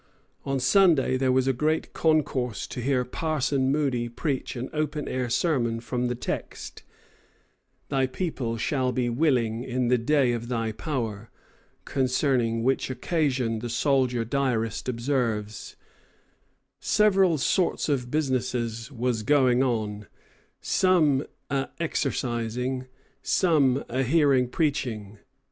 On Sunday there was a great concourse to hear Parson Moody preach an open air sermon from the text, "Thy people shall be willing in the day of thy power," concerning which occasion the soldier diarist observes, "Several sorts of Busnesses was Going on, Som a Exercising, Som a Hearing Preaching."